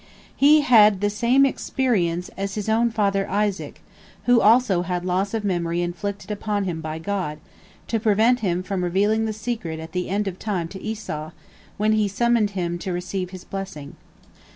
He had the same experience as his own father Isaac, who also had loss of memory inflicted upon him by God, to prevent him from revealing the secret at the end of time to Esau, when he summoned him to receive his blessing.